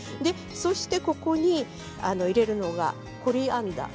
そしてここに入れるのがコリアンダー。